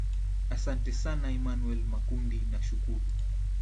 asante sana emanuel makundi nakushukuru